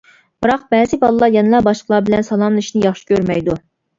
بىراق، بەزى بالىلار يەنىلا باشقىلار بىلەن سالاملىشىشنى ياخشى كۆرمەيدۇ.